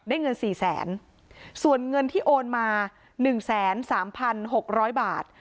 ได้เงินสี่แสนส่วนเงินที่โอนมาหนึ่งแสนสามพันหกร้อยบาท